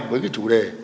với cái chủ đề